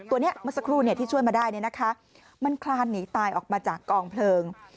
ตัวนี้เมื่อสักครู่ที่ช่วยมาได้มันคลานหนีตายออกมาจากกองเพลิง